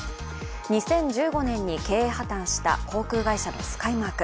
２０１５年に経営破綻した航空会社のスカイマーク。